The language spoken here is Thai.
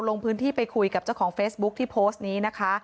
ลงพื้นที่ไปคุยกับเจ้าของเฟซบุ๊คที่โพสต์นี้นะคะ